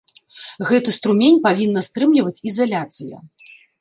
Гэты струмень павінна стрымліваць ізаляцыя.